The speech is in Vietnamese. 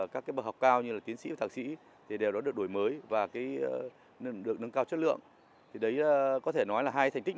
chất lượng cao tăng nhanh